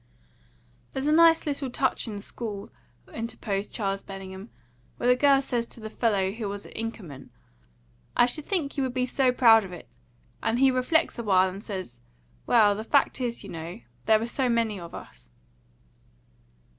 "That's a nice little touch in School," interposed Charles Bellingham, "where the girl says to the fellow who was at Inkerman, 'I should think you would be so proud of it,' and he reflects a while, and says, 'Well, the fact is, you know, there were so many of us.'"